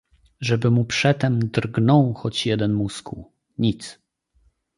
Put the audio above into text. "Żeby mu przy tem drgnął choć jeden muskuł, nic."